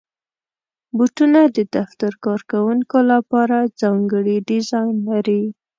بوټونه د دفتر کارکوونکو لپاره ځانګړي ډیزاین لري.